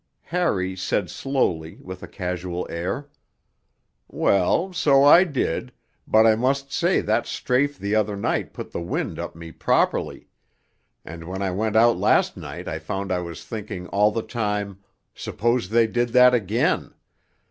Harry said slowly, with a casual air: 'Well, so I did, but I must say that strafe the other night put the wind up me properly and when I went out last night I found I was thinking all the time, "Suppose they did that again?"